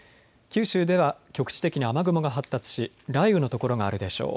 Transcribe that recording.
九州では局地的に雨雲が発達し雷雨の所があるでしょう。